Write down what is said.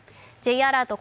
Ｊアラート